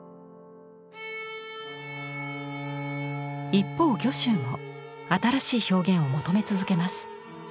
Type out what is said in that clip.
一方御舟も新しい表現を求め続けます。